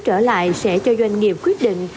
trở lại sẽ cho doanh nghiệp quyết định